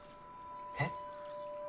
えっ？